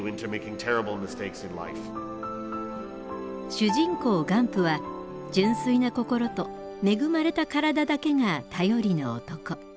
主人公ガンプは純粋な心と恵まれた体だけが頼りの男。